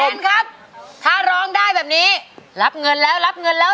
ผมครับถ้าร้องได้แบบนี้รับเงินแล้วรับเงินแล้ว